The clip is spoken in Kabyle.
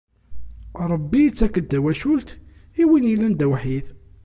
Rebbi yettak-d tawacult i win yellan d awḥid.